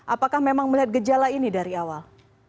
apakah memang melihat gejala ini dari awal